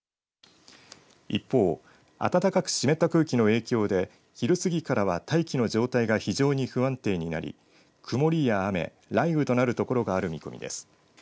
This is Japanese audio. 一方、暖かく湿った空気の影響で昼過ぎからは大気の状態が非常に不安定になり曇りや雨雷雨となる所がある見込みです。